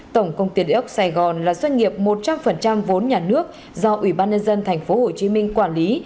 tổng công ty địa ốc sài gòn là doanh nghiệp một trăm linh vốn nhà nước do ủy ban nhân dân tp hcm quản lý